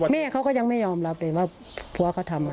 แม่เขาก็ยังไม่ยอมรับเลยว่าผัวเขาทำอะไร